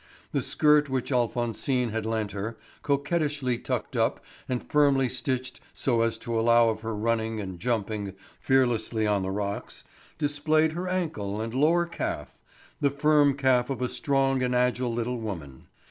The skirt which Alphonsine had lent her, coquettishly tucked up and firmly stitched so as to allow of her running and jumping fearlessly on the rocks, displayed her ankle and lower calf—the firm calf of a strong and agile little woman.